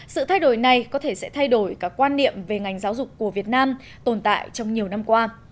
sự thay đổi này có thể sẽ thay đổi cả quan niệm về ngành giáo dục của việt nam tồn tại trong nhiều năm qua